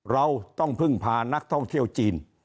เราต้องพึ่งพานักท่องเที่ยวจีน